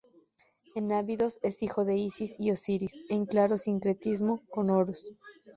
En Abidos es hijo de Isis y Osiris, en claro sincretismo con Horus.